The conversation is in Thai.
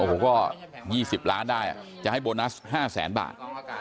โอ้โหก็๒๐ล้านได้จะให้โบนัส๕แสนบาท